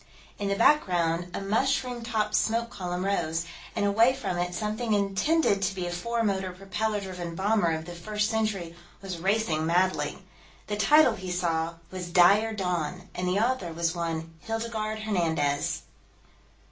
In the background, a mushroom topped smoke column rose, and away from it something intended to be a four motor propeller driven bomber of the First Century was racing madly. The title, he saw, was Dire Dawn, and the author was one Hildegarde Hernandez.